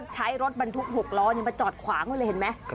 ใช้รถบรรทุก๖ล้อมาจอดขวางไว้เลยเห็นไหม